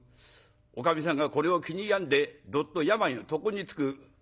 おかみさんがこれを気に病んでどっと病の床に就く。